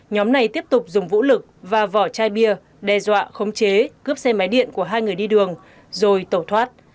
nhóm này tiếp tục dùng vũ lực và vỏ chai bia đe dọa khống chế cướp xe máy điện của hai người đi đường rồi tẩu thoát